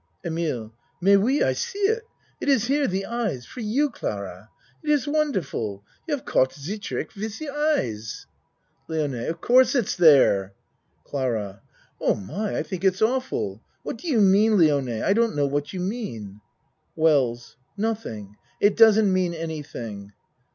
EMILE Mais oui! I see it. It is here, the eyes. For you Clara, it iz wonderful you haf caught ze trick wiz ze eyes. LIONE Of course it's there. CLARA Oh my! I think it's awful. What do you mean, Lione? I don't know what you mean. WELLS Nothing. It doesn't mean anything.